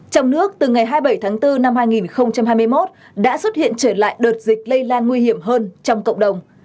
trong nước từ ngày hai mươi bảy tháng bốn năm hai nghìn hai mươi một đã xuất hiện trở lại đợt dịch lây lan nguy hiểm hơn trong cộng đồng